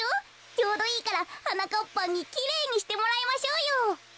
ちょうどいいからはなかっぱんにきれいにしてもらいましょうよ。